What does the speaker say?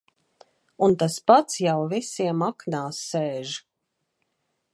Un tas pats jau visiem aknās sēž.